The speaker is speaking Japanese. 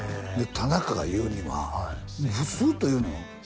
田中が言うにはスッと言うのよ